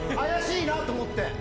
怪しいなと思って。